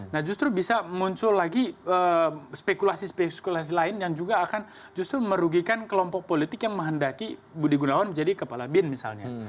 nah justru bisa muncul lagi spekulasi spekulasi lain yang juga akan justru merugikan kelompok politik yang menghendaki budi gunawan menjadi kepala bin misalnya